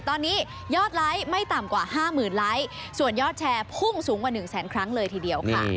ตอนนี้ยอดไลค์ไม่ต่ำกว่า๕๐๐๐ไลค์ส่วนยอดแชร์พุ่งสูงกว่า๑แสนครั้งเลยทีเดียวค่ะ